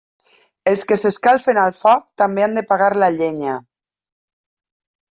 Els que s'escalfen al foc també han de pagar la llenya.